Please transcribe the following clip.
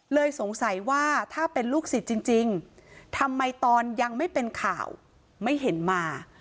สงสัยว่าถ้าเป็นลูกศิษย์จริงทำไมตอนยังไม่เป็นข่าวไม่เห็นมา